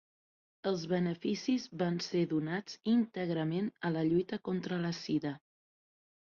Els beneficis van ser donats íntegrament a la lluita contra la sida.